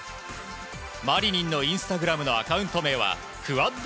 マリニンのインスタグラムのアカウント名は「ｑｕａｄｇ０ｄ」。